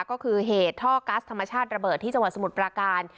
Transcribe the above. ก็คือเหตุท่อกัสธรรมชาติระเบิดที่จังหวัดสมุทรปราการ